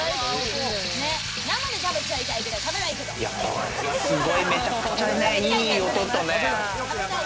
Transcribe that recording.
これはすごい、めちゃくちゃいい音とね。